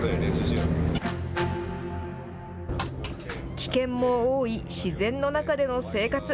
危険も多い自然の中での生活。